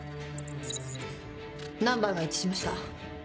ナンバーが一致しました。